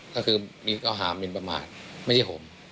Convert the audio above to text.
ก็คือมีข้อหามินประมาทไม่ใช่ผม